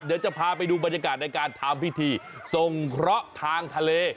เดี๋ยวจะพาไปดูบรรยากาศในการทำพิธีทรงเคราะห์ทางทะเล